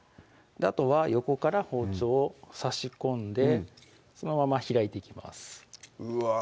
あとは横から包丁を差し込んでそのまま開いていきますうわ